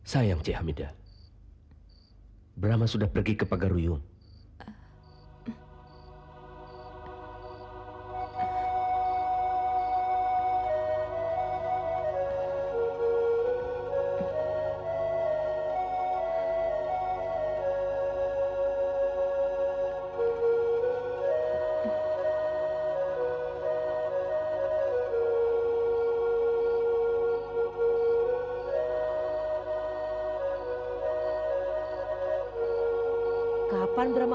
saya tidak dapat hidup tanpa brahma